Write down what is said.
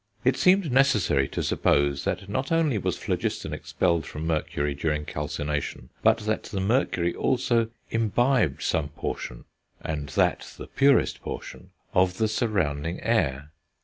It seemed necessary to suppose that not only was phlogiston expelled from mercury during calcination, but that the mercury also imbibed some portion, and that the purest portion, of the surrounding air.